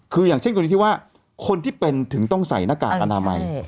คืออย่างเช่นกรณีที่ว่าคนที่เป็นถึงต้องใส่หน้ากากอนามัย